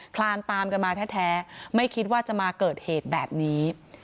คลานตามกันมาแท้ไม่คิดว่าจะมาเกิดเหตุแบบนี้